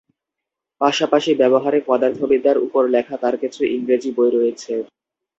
পাশাপাশি ব্যবহারিক পদার্থবিদ্যার উপর লেখা তার কিছু ইংরেজি বই রয়েছে।